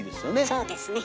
そうですね。